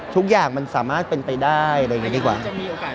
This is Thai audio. ทุกอย่างมันสามารถเป็นไปได้อะไรอย่างเงี้ยดีกว่าจะมีโอกาส